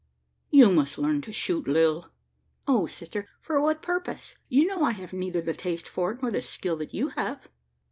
"You must learn to shoot, Lil." "O sister, for what purpose? You know I have neither the taste for it, nor the skill that you have."